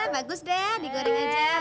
bagus deh digoreng aja